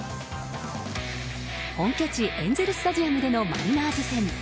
本拠地エンゼル・スタジアムでのマリナーズ戦。